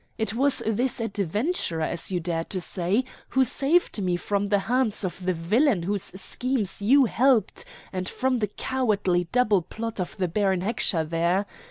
"It was this 'adventurer,' as you dare to say, who saved me from the hands of the villain whose schemes you helped, and from the cowardly double plot of the Baron Heckscher there.